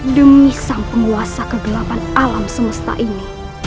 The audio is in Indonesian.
demi sang penguasa kegelapan alam semesta ini